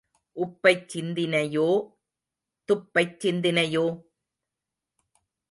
உப்பைச் சிந்தினையோ, துப்பைச் சிந்தினையோ?